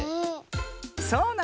そうなのね。